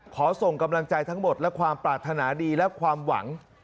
ขอส่งกำลังใจทั้งหมดและความปรารถนาดีและความหวัง